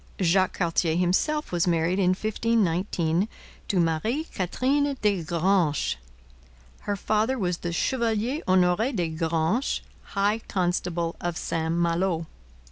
Jacques Cartier himself was married in 1519 to Marie Katherine des Granches. Her father was the Chevalier Honore des Granches, high constable of St Malo.